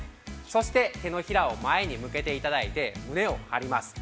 そして、手のひらを前に向けていただいて、胸を張ります。